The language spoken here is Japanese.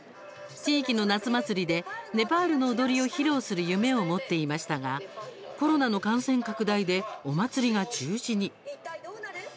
地域の夏祭りでネパールの踊りを披露する夢を持っていましたがコロナの感染拡大でお祭りが中止に。